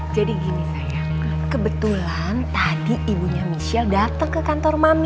jadi gini sayang kebetulan tadi ibunya michelle dateng ke kantor mami